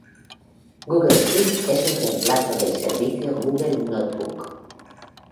Google Keep es un reemplazo del servicio Google Notebook.